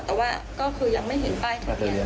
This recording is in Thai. แต่ว่าก็คือยังไม่เห็นใบของแก